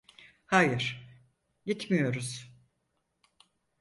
Hayır, gitmiyoruz.